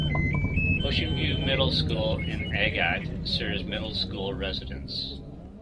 Oceanview Middle School in Agat serves middle school residents.